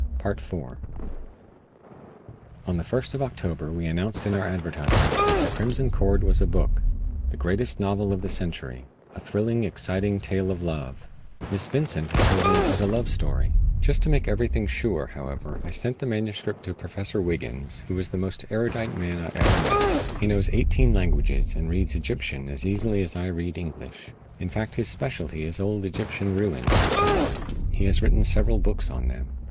IV On the first of October we announced in our advertisement that "The Crimson Cord" was a book; the greatest novel of the century; a thrilling, exciting tale of love. Miss Vincent had told me it was a love story. Just to make everything sure, however, I sent the manuscript to Professor Wiggins, who is the most erudite man I ever met. He knows eighteen languages, and reads Egyptian as easily as I read English. In fact his specialty is old Egyptian ruins and so on. He has written several books on them.